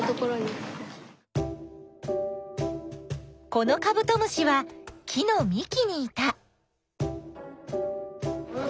このカブトムシは木のみきにいた。